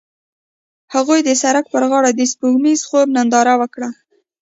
هغوی د سړک پر غاړه د سپوږمیز خوب ننداره وکړه.